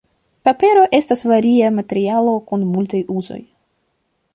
Papero estas varia materialo kun multaj uzoj.